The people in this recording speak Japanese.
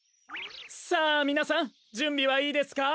さあみなさんじゅんびはいいですか？